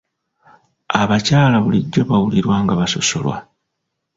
Abakyala bulijjo bawulirwa nga basosolwa.